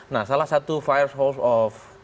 nah salah satu fire hose of